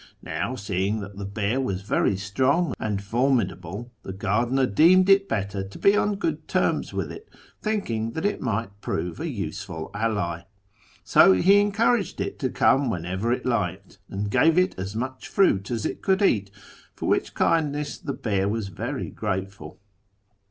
Now, seeing that the bear was very strong and formidable, the gardener deemed it better to be on good terms with it, thinking that it might prove a useful ally. So he encouraged it to come whenever it liked, and gave it as much fruit as it could eat, for which kindness the bear was very grateful.